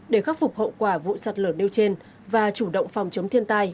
để khắc phục hậu quả vụ sạt lở nêu trên và chủ động phòng chống thiên tai